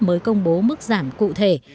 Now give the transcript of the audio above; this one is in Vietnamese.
mới công bố mức giảm cụ thể